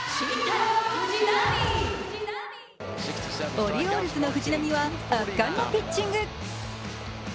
オリオールズの藤浪は圧巻のピッチング。